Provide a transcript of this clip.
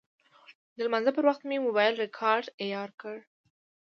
د لمانځه پر وخت مې موبایل ریکاډر عیار کړ.